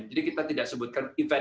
jadi kami tidak menyebutkan acara